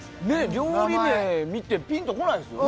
料理名見てピンとこないですよね。